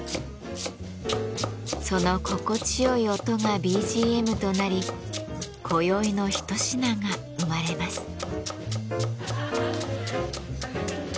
その心地よい音がＢＧＭとなりこよいのひと品が生まれます。